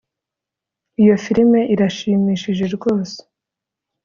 iyo firime irashimishije rwose